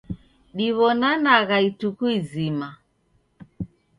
Diwonanagha ituku izima